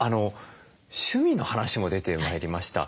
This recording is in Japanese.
趣味の話も出てまいりました。